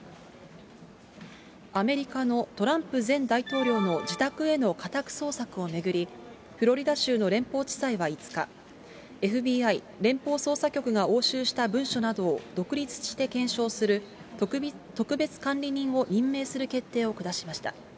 アメリカのトランプ前大統領の自宅への家宅捜索を巡り、フロリダ州の連邦地裁は５日、ＦＢＩ・連邦捜査局が押収した文書などを独立して検証する、特別管理人を任命する決定を下しました。